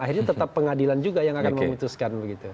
akhirnya tetap pengadilan juga yang akan memutuskan begitu